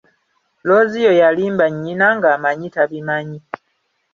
Looziyo yalimba nnyina ng'amanyi tabimanyi.